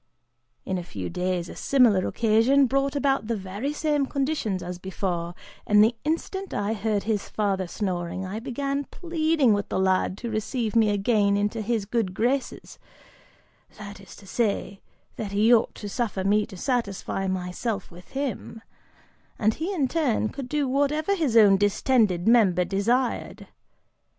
In a few days, a similar occasion brought about the very same conditions as before, and the instant I heard his father snoring, I began pleading with the lad to receive me again into his good graces, that is to say, that he ought to suffer me to satisfy myself with him, and he in turn could do whatever his own distended member desired.